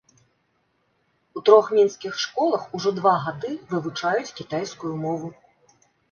У трох мінскіх школах ужо два гады вывучаюць кітайскую мову.